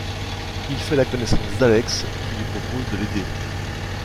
Il fait la connaissance d'Alex qui lui propose de l'aider.